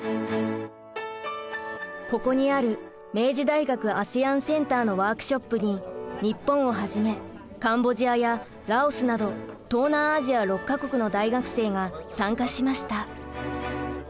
ここにある明治大学アセアンセンターのワークショップに日本をはじめカンボジアやラオスなど東南アジア６か国の大学生が参加しました。